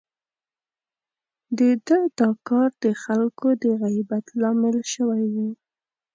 د ده دا کار د خلکو د غيبت لامل شوی و.